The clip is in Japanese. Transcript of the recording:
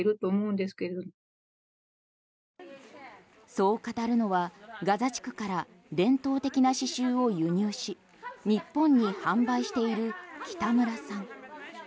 そう語るのはガザ地区から伝統的な刺しゅうを輸入し日本に販売している北村さん。